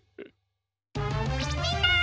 みんな！